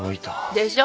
でしょ？